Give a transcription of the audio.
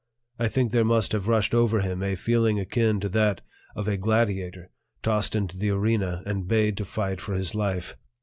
I think there must have rushed over him a feeling akin to that of a gladiator tossed into the arena and bade to fight for his life.